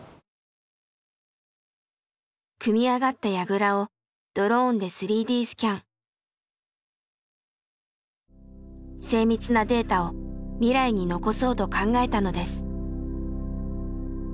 組み上がったやぐらをドローンで精密なデータを未来に残そうと考えたのです。